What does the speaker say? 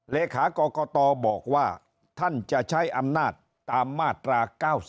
เลขากรกตบอกว่าท่านจะใช้อำนาจตามมาตรา๙๒